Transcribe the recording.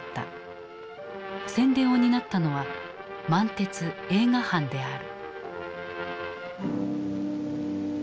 宣伝を担ったのは満鉄映画班である。